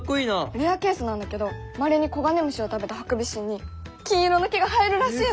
レアケースなんだけどまれに黄金虫を食べたハクビシンに金色の毛が生えるらしいの！